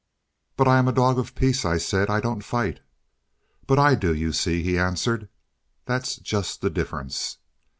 "But I am a dog of peace," I said; "I don't fight." "But I do, you see," he answered, "that's just the difference."